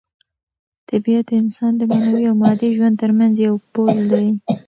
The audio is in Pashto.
طبیعت د انسان د معنوي او مادي ژوند ترمنځ یو پل دی.